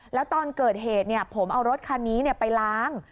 แล้วตอนเกิดเหตุผมเอารถคันนี้ไปล้าง